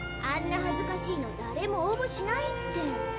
あんなはずかしいのだれも応募しないって。